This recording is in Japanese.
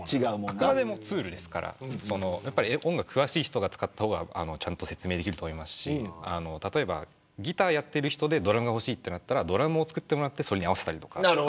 あくまでもツールですから音楽に詳しい人が使った方がちゃんと説明できると思いますし例えば、ギターをやっている人でドラムが欲しいとなったらドラムを作ってもらってそれに合わせたりとか。